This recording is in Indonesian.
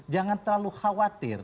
jangan terlalu khawatir